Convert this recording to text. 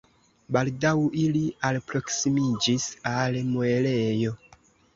Baldaŭ ili alproksimiĝis al muelejo.